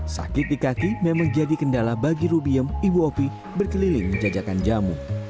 sakit di kaki memang jadi kendala bagi rubiem ibu opi berkeliling menjajakan jamu